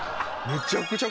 むちゃくちゃ。